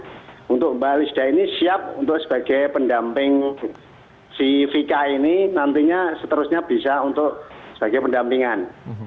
dan untuk mbak lista ini siap untuk sebagai pendamping si vika ini nantinya seterusnya bisa untuk sebagai pendampingan